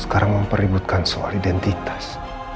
sekarang mempeributkan soal identitas